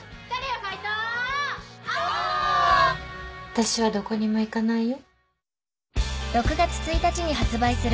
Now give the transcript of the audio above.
私はどこにも行かないよ。